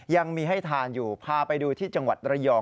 ยังมีให้ทานอยู่พาไปดูที่จังหวัดระยอง